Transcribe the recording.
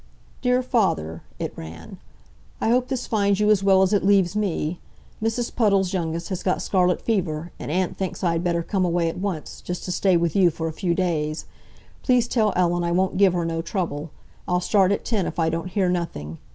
"DEAR FATHER (it ran)—I hope this finds you as well at it leaves me. Mrs. Puddle's youngest has got scarlet fever, and Aunt thinks I had better come away at once, just to stay with you for a few days. Please tell Ellen I won't give her no trouble. I'll start at ten if I don't hear nothing.